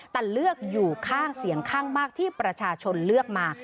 แต่เลือกอยู่ข้างเสียงข้างมากที่ประชาชนเลือกมา